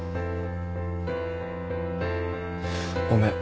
ごめん。